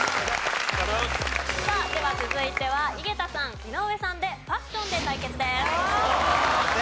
さあでは続いては井桁さん井上さんでファッションで対決です。